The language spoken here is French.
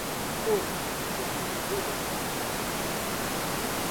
Oh ! le temps de jeter ce pauvre Satellite, dit Michel.